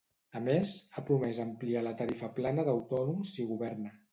A més, ha promès ampliar la tarifa plana d'autònoms si governa.